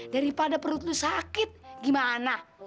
daripada perut itu sakit gimana